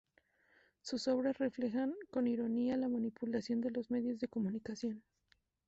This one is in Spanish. Sus obras reflejan con ironía la manipulación de los medios de comunicación.